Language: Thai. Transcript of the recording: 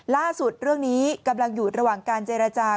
ล่าสุดเรื่องนี้กำลังอยู่ระหว่างการเจรจา